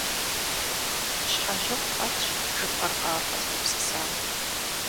ЩхьэжьыфӀ фӀэтщ, жыпӀэркъэ ар къэзыгупсысам!